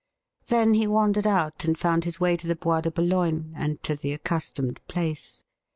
Then he wandered out and found his way to the Bois de Boulogne, and to the accustomed place.